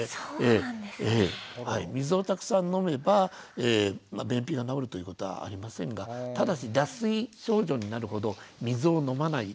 水をたくさん飲めば便秘が治るということはありませんがただし脱水症状になるほど水を飲まないっていうのは問題があります。